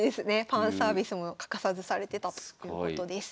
ファンサービスも欠かさずされてたということです。